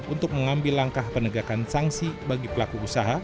untuk mengambil langkah penegakan sanksi bagi pelaku usaha